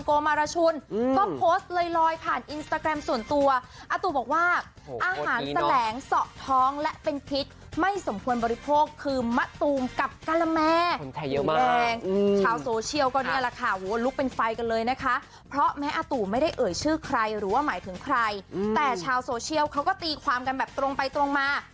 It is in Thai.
รชุนก็โพสต์ลอยลอยผ่านอินสตาแกรมส่วนตัวอาตูบอกว่าอาหารแสลงเสาะท้องและเป็นพิษไม่สมควรบริโภคคือมะตูมกับกะละแม่คนไทยเยอะมากแรงชาวโซเชียลก็เนี่ยแหละค่ะหัวลุกเป็นไฟกันเลยนะคะเพราะแม้อาตูไม่ได้เอ่ยชื่อใครหรือว่าหมายถึงใครแต่ชาวโซเชียลเขาก็ตีความกันแบบตรงไปตรงมา